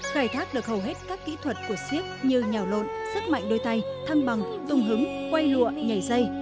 khai thác được hầu hết các kỹ thuật của siếc như nhào lộn sức mạnh đôi tay thăng bằng tùng hứng quay lụa nhảy dây